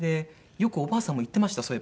よくおばあさんも言ってました